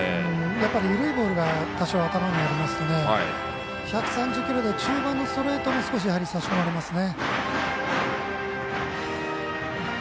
やっぱり緩いボールが多少、頭にありますと１３０キロ台中盤のストレートで少し、差し込まれますね。